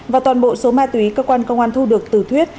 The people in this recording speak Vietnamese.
và toàn bộ số ma túy cơ quan công an thu được từ thuyết